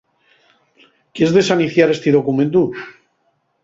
¿Quies desaniciar esti documentu?